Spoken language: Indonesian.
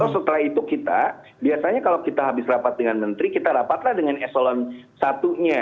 setelah itu kita biasanya kalau kita habis rapat dengan menteri kita rapatlah dengan eselon i nya